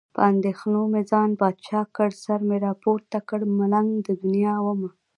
په اندېښنو مې ځان بادشاه کړ. سر مې راپورته کړ، ملنګ د دنیا ومه.